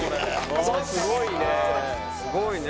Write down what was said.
すごいね。